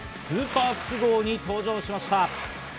スーパー複合に登場しました。